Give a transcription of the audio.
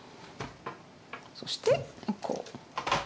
そしてこう。